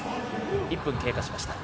１分経過しました。